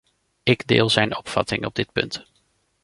Ik deel zijn opvatting op dit punt.